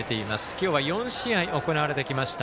今日は４試合行われてきました。